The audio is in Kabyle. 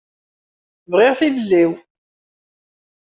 Bɣiɣ tilelli-w.